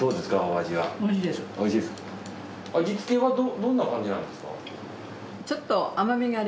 味つけはどんな感じなんですか？